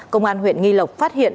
công an huyện nghi lộc phát hiện